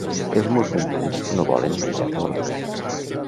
Els musulmans no volen menjar porc